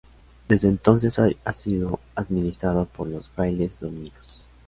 Desde entonces ha sido administrado por los Frailes Dominicos.